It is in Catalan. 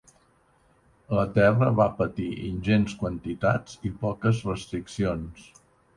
La terra va patir ingents quantitats i poques restriccions.